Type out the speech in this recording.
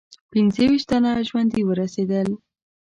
پنځه ویشت تنه ژوندي ورسېدل.